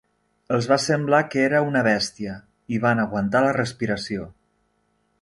Els va semblar que era una bèstia i van aguantar la respiració.